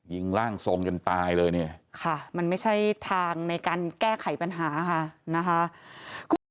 ยิงร่างทรงจนตายเลยเนี่ยค่ะมันไม่ใช่ทางในการแก้ไขปัญหาค่ะนะคะคุณผู้ชม